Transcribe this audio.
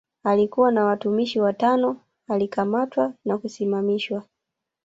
Alikuwa na watumishi watano alikamatwa na kusimamishwa